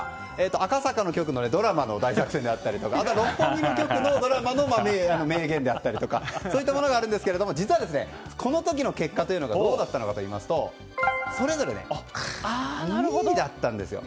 赤坂の局のドラマの大作戦であったりあとは六本木の局のドラマの名言だったりとかそういったものがありますがこの時の結果がどうだったのかといいますとそれぞれ２位だったんです。